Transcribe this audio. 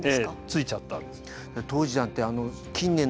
着いちゃったんです。